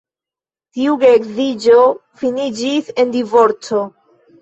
Tiu geedziĝo finiĝis en divorco.